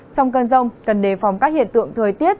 trong cơn rông cần đề phòng các hiện tượng thời tiết